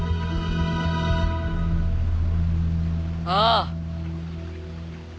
ああ。